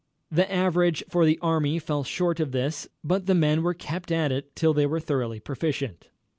The average for the army fell short of this, but the men were kept at it till they were thoroughly proficient.